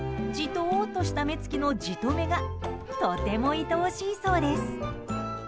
とーっとした目つきのジト目がとても、いとおしいそうです。